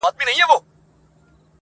ما خو داسي نه ویل چي خان به نه سې,